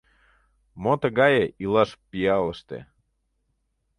Мо тыгае илаш пиалыште?